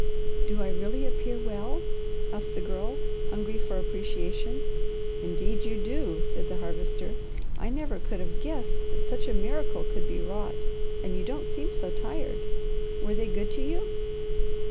"Do I really appear well?" asked the Girl, hungry for appreciation. "Indeed you do!" said the Harvester. "I never could have guessed that such a miracle could be wrought. And you don't seem so tired. Were they good to you?"